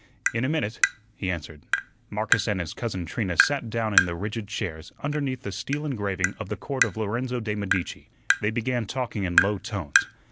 "In a minute," he answered. Marcus and his cousin Trina sat down in the rigid chairs underneath the steel engraving of the Court of Lorenzo de' Medici. They began talking in low tones.